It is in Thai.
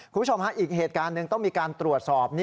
คุณผู้ชมฮะอีกเหตุการณ์หนึ่งต้องมีการตรวจสอบ